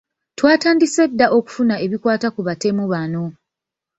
Twatandise dda okufuna ebikwata ku batemu bano.